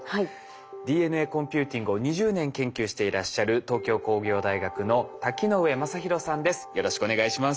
ＤＮＡコンピューティングを２０年研究していらっしゃる東京工業大学の瀧ノ上正浩さんです。